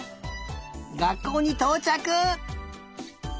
がっこうにとうちゃく！